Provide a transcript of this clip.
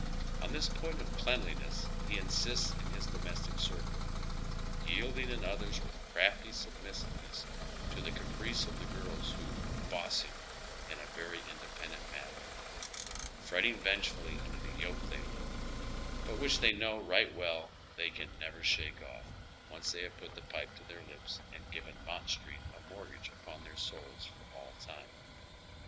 On this point of c]eanlineB8 he in sists in his domestic circle, yielding in others with crafty submissiveness to the caprice of the girls, who " boss " him in a vevy independent manner, fretting vengefuily under the yoke they loatiie, but which they know right well they can never shake off, once tJiey have put the pipe to their lips and given Mott Street a mortgage upon their souls for all time.